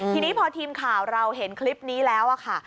ทีนี้พอทีมข่าวเราเห็นคลิปนี้แล้วค่ะ